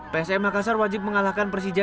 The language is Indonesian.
psm makassar wajib mengalahkan persija